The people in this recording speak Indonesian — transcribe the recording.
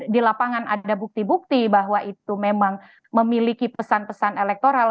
di lapangan ada bukti bukti bahwa itu memang memiliki pesan pesan elektoral